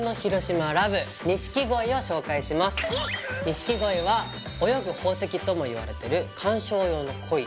錦鯉は「泳ぐ宝石」ともいわれてる観賞用の鯉。